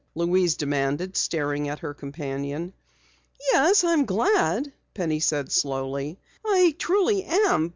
Louise demanded, staring at her companion. "Yes, I'm glad," Penny said slowly. "I truly am.